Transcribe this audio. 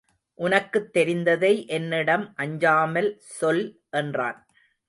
உனக்குத் தெரிந்ததை என்னிடம் அஞ்சாமல் சொல் என்றான்.